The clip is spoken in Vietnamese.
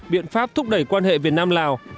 biện pháp thúc đẩy quan hệ việt nam lào